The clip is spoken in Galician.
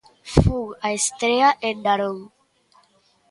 Fun á estrea en Narón.